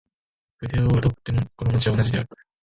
筆を執とっても心持は同じ事である。